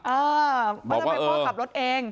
เอ่อก่อนไม่ก็ขับรถเอง